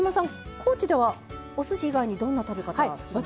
高知ではおすし以外にどんな食べ方するんですか？